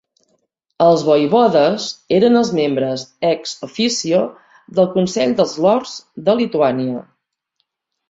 Els voivodes eren els membres "ex officio" del Consell dels lords de Lituània.